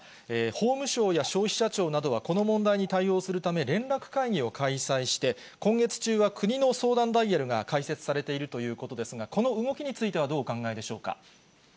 法務省や消費者庁などは、この問題に対応するため連絡会議を開催して、今月中は国の相談ダイヤルが開設されているということですが、この動きについてはどうお考えでしょうか。